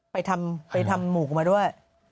ผิดทำถ่ายหมูเข้ามาด้วย